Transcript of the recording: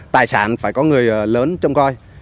tài sản phải có người lớn trông coi